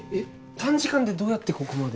短時間でどうやってここまで？